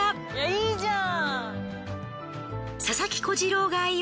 いいじゃん！